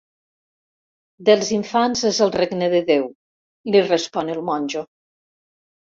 Dels infants és el regne de Déu, li respon el monjo.